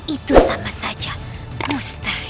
itu sama saja mustahil